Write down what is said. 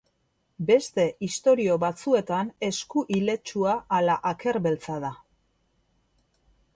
Beste istorio batzuetan esku iletsua ala aker beltza da.